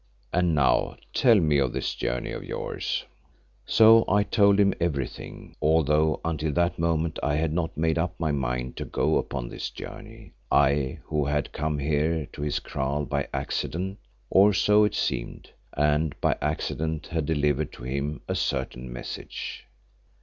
And now tell me of this journey of yours." So I told him everything, although until that moment I had not made up my mind to go upon this journey, I who had come here to his kraal by accident, or so it seemed, and by accident had delivered to him a certain message.